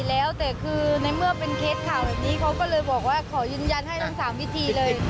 แล้วแต่คือในเมื่อเป็นเคสข่าวแบบนี้เขาก็เลยบอกว่าขอยืนยันให้ทั้ง๓วิธีเลย